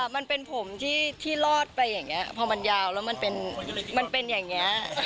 มันเป็นผมที่รอดไปอย่างนี้พอมันยาวแล้วมันเป็นอย่างนี้